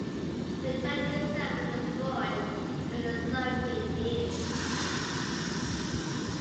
The church itself was destroyed during the Soviet years.